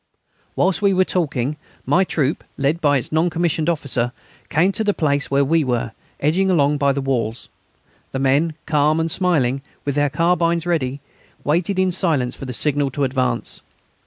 Whilst we were talking, my troop, led by its non commissioned officer, came to the place where we were, edging along by the walls. The men, calm and smiling, with their carbines ready, waited in silence for the signal to advance.